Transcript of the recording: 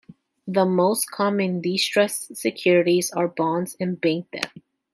The most common distressed securities are bonds and bank debt.